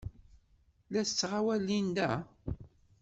La tettɣawal Linda?